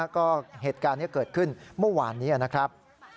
ก็เหตุการณ์นี้เกิดขึ้นเมื่อวานนี้นะครับ